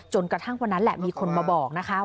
กระทั่งวันนั้นแหละมีคนมาบอกนะคะ